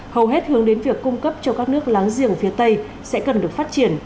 hầu hết hướng đến việc cung cấp cho các nước láng giềng phía tây sẽ cần được phát triển